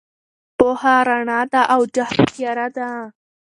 پوهه رڼا ده او جهل تیاره ده.